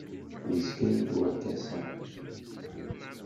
Yezga-iyi-d werkas-a.